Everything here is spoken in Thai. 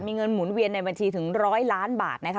มีเงินหมุนเวียนในบัญชีถึง๑๐๐ล้านบาทนะคะ